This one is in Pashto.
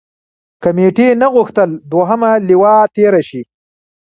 کمېټې نه غوښتل دوهمه لواء تېره شي.